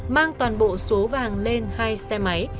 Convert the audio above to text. mang toàn bộ số vàng lên hai xe máy